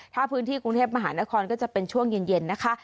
ถ้าพื้นที่กรุงเทพมหานครก็จะเป็นช่วงเย็นนะคะ